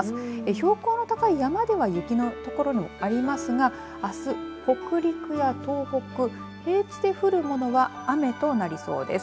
標高の高い山では雪の所もありますがあす、北陸や東北平地で降るものは雨となりそうです。